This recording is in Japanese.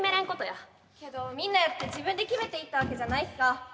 けどみんなやって自分で決めて行ったわけじゃないしさ。